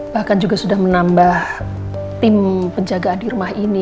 bahkan juga sudah menambah tim penjagaan di rumah ini